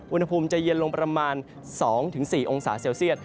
อุณหภูมิจะเย็นลงประมาณ๒๔องศาเซลเซียต